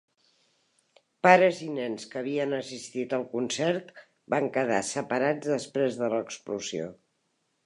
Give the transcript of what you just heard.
Pares i nens que havien assistit al concert van quedar separats després de l'explosió.